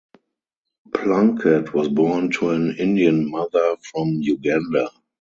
Plunkett was born to an Indian mother from Uganda.